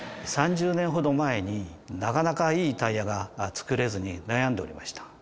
３０年ほど前になかなかいいタイヤが作れずに悩んでおりました。